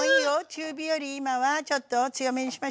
中火より今はちょっと強めにしましょうか。